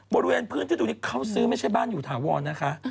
บริเวณพื้นที่ตรงนี้เขาซื้อไม่ใช่บ้านอยู่ถาวรนะคะ